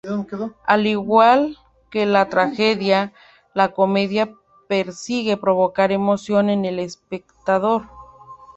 Al igual que la Tragedia, la Comedia persigue provocar emoción en el espectador.